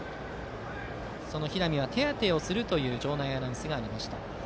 その平見が手当てするという場内アナウンスがありました。